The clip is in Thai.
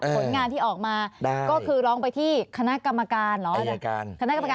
ผลงานที่ออกมาก็คือร้องไปที่คณะกรรมการเหรอ